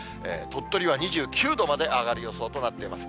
鳥取は２９度まで上がる予想となっています。